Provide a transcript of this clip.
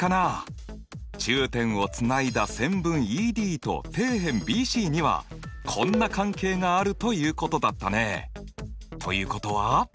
中点をつないだ線分ＥＤと底辺ＢＣにはこんな関係があるということだったね。ということは？